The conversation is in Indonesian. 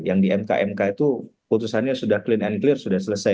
yang di mk mk itu putusannya sudah clean and clear sudah selesai